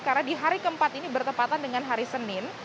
karena di hari keempat ini bertempatan dengan hari senin